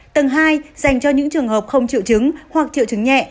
tầng hai dành cho những trường hợp không triệu chứng hoặc triệu chứng nhẹ